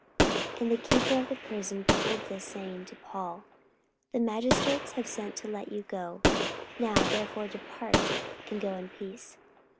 44:016:036 And the keeper of the prison told this saying to Paul, The magistrates have sent to let you go: now therefore depart, and go in peace.